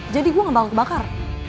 jadi gue gak bakal terbakar